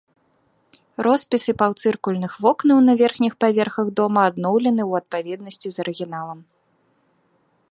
Роспісы паўцыркульных вокнаў на верхніх паверхах дома адноўлены ў адпаведнасці з арыгіналам.